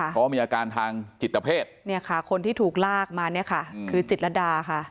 เพราะว่ามีอาการทางจิตเพศเนี่ยค่ะคนที่ถูกลากมาเนี่ยค่ะคือจิตรดาค่ะ